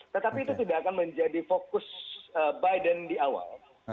tetapi itu tidak akan menjadi fokus biden di awal